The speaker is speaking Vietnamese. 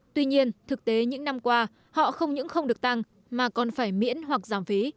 tuy nhiên thực tế những năm qua họ không những không được tăng mà còn phải miễn hoặc giảm phí